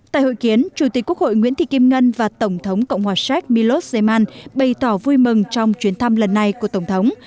tại hội kiến chủ tịch quốc hội nguyễn thị kim ngân và tổng thống cộng hòa séc milos jaman bày tỏ vui mừng trong chuyến thăm lần này của tổng thống